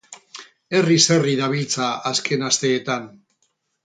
Herriz herri dabiltza azken asteetan.